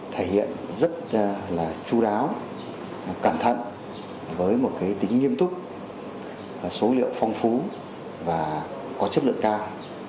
thể hiện rất là chú đáo cẩn thận với một tính nghiêm túc số liệu phong phú và có chất lượng cao